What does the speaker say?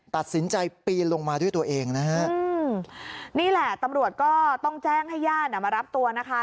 ตัดสินใจปีนลงมาด้วยตัวเองนะฮะอืมนี่แหละตำรวจก็ต้องแจ้งให้ญาติอ่ะมารับตัวนะคะ